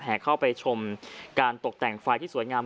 เข้าไปชมการตกแต่งไฟที่สวยงาม